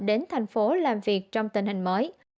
đến thành phố làm việc trong tình hình mới